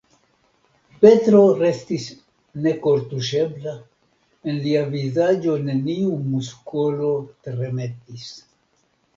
Petro restis nekortuŝebla: en lia vizaĝo neniu muskolo tremetis.